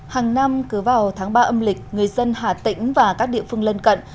hàng năm cứ vào tháng ba âm lịch người dân hà tĩnh và các địa phương lân cận